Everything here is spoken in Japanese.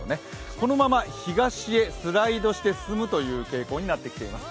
このまま東へスライドして進むという傾向になってきています。